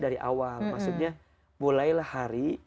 dari awal maksudnya mulailah hari